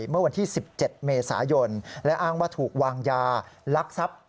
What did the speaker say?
เมื่อวันที่๑๗เมษายนและอ้างว่าถูกวางยาลักทรัพย์